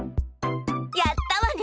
やったわね！